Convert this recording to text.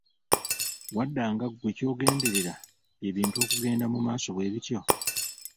Waddanga ggwe, ky’ogenderera bye bintu okugenda mu maaso bwebityo?